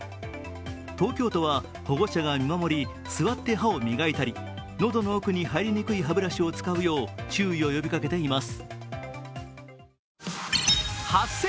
東京都は保護者が見守り座って歯を磨いたり喉の奥に入りにくい歯ブラシを使うよう注意を呼びかけています。